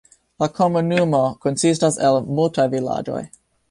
La komunumo konsistas el multaj vilaĝoj.